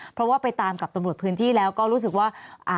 เพราะว่าไปตามกับตำรวจพื้นที่แล้วก็รู้สึกว่า